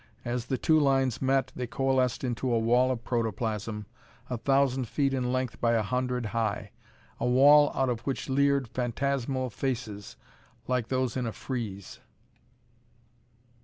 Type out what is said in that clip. As the two lines met, they coalesced into a wall of protoplasm, a thousand feet in length by a hundred high. A wall out of which leered phantasmal faces, like those in a frieze.